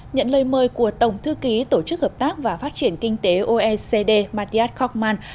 nhận lời mời của tổng thư ký tổ chức hợp tác và phát triển kinh tế oecd mattias kochman